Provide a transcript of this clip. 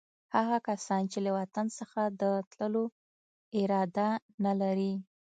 هغه کسان چې له وطن څخه د تللو اراده نه لري.